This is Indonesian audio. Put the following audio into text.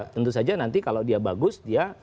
tentu saja nanti kalau dia bagus dia